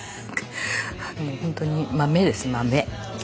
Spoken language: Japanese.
もうほんとに豆です豆。